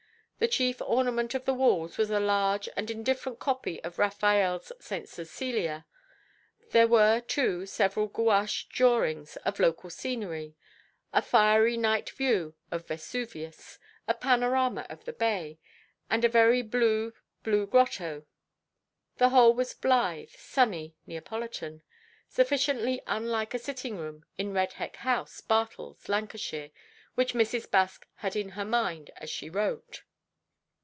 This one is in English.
The chief ornament of the walls was a large and indifferent copy of Raphael's "St. Cecilia;" there were, too, several gouache drawings of local scenery: a fiery night view of Vesuvius, a panorama of the Bay, and a very blue Blue Grotto. The whole was blithe, sunny, Neapolitan; sufficiently unlike a sitting room in Redbeck House, Bartles, Lancashire, which Mrs. Baske had in her mind as she wrote.